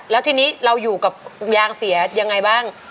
แล้วทีนี้เราอยู่กับยางเสียยังไงบ้าง